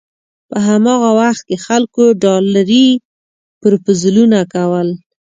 په هماغه وخت کې خلکو ډالري پروپوزلونه کول.